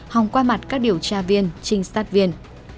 hòng qua mặt các điều tra viên trinh sát viên